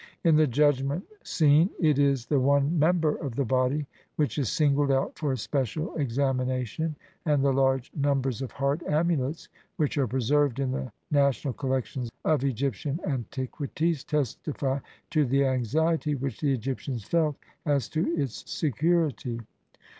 In the Judgment Scene it is the one member of the body which is singled out for special examination, and the large numbers of heart amulets which are preserved in the national collections of Egyptian antiquities testify to the anxiety which the Egyptians felt as to its se curity.